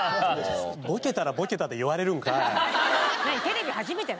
ボケたらボケたで言われるんかい！